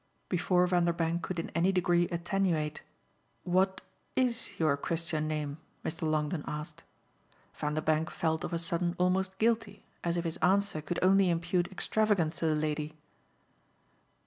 Before Vanderbank could in any degree attenuate "What IS your Christian name?" Mr. Longdon asked. Vanderbank felt of a sudden almost guilty as if his answer could only impute extravagance to the lady.